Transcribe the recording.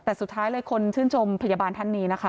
แต่สุดท้ายเลยคนชื่นชมพยาบาลท่านนี้นะคะ